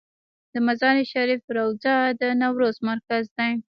د مزار شریف روضه د نوروز مرکز دی